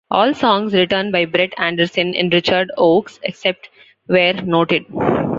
All songs written by Brett Anderson and Richard Oakes except where noted.